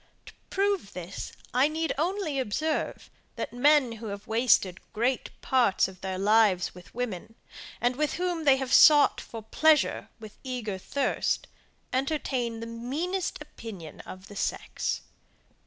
To prove this, I need only observe, that men who have wasted great part of their lives with women, and with whom they have sought for pleasure with eager thirst, entertain the meanest opinion of the sex.